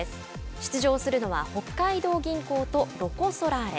出場するのは北海道銀行とロコ・ソラーレ。